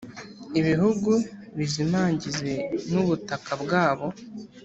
ibibugu bizimagize n ubutaka bwabo